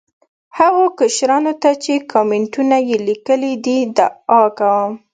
هغو کشرانو ته چې کامینټونه یې لیکلي دي، دعا کوم.